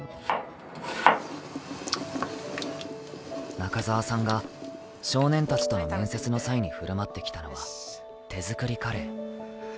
中澤さんが、少年たちとの面接の際に振る舞ってきたのは、手作りカレー。